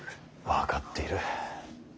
分かっている。